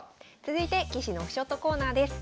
続いて棋士のオフショットコーナーです。